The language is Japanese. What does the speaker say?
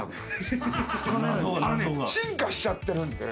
進化しちゃってるんで。